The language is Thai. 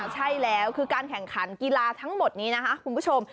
ใช่แล้วคือการแข่งขันกีฬาทั้งหมดนี้นะคะคุณผู้ชม